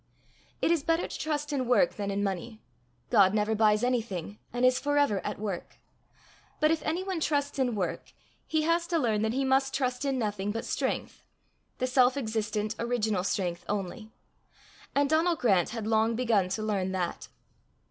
It is better to trust in work than in money: God never buys anything, and is for ever at work; but if any one trust in work, he has to learn that he must trust in nothing but strength the self existent, original strength only; and Donal Grant had long begun to learn that.